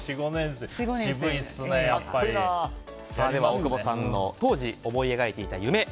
大久保さんの当時、思い描いていた夢